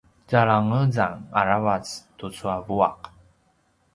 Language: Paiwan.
zalangezang aravac tucu a vuaq